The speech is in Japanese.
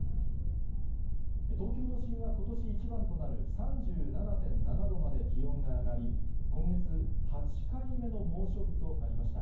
東京都心はことし一番となる３７．７度まで気温が上がり、今月８回目の猛暑日となりました。